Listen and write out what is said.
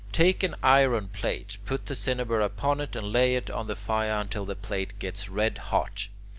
Take an iron plate, put the cinnabar upon it, and lay it on the fire until the plate gets red hot.